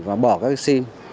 và bỏ các cái sim